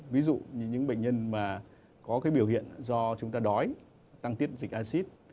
ví dụ như những bệnh nhân mà có cái biểu hiện do chúng ta đói tăng tiết dịch acid